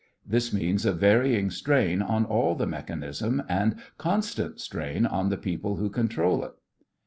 This means a varying strain on all the mechanism, and constant strain on the people who control it.